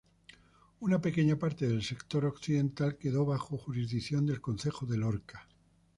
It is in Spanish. Una pequeña parte del sector occidental quedó bajo jurisdicción del concejo de Lorca.